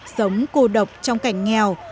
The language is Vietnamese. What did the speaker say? sống cô độc trong cảnh nghèo